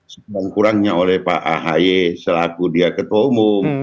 sekurang kurangnya oleh pak ahy selaku dia ketua umum